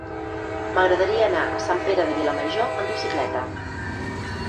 M'agradaria anar a Sant Pere de Vilamajor amb bicicleta.